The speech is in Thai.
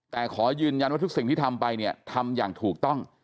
แต่ขอยืนยันว่าทุกสิ่งที่ทำไปเนี่ยทำอย่างถูกต้อง